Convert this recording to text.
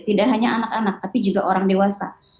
tidak hanya anak anak tapi juga orang dewasa